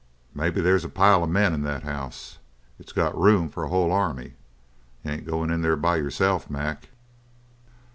"Maybe there's a pile of men in that house. It's got room for a whole army. You ain't going in there by yourself, Mac?"